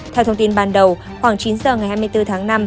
theo thông tin ban đầu khoảng chín giờ ngày hai mươi bốn tháng năm